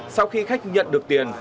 sau khi khách nhận được tiền